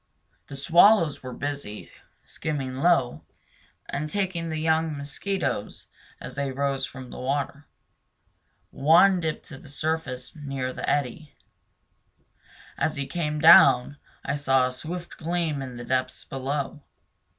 The swallows were busy, skimming low, and taking the young mosquitoes as they rose from the water. One dipped to the surface near the eddy. As he came down I saw a swift gleam in the depths below.